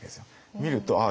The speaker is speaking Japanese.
見るとああ